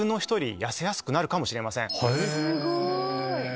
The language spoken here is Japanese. すごい！